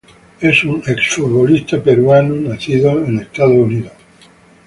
Es un ex futbolista peruano nacido en Estados Unidos.